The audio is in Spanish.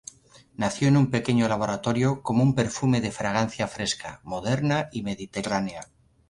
Nació en un pequeño laboratorio como un perfume de fragancia fresca, moderna y mediterránea.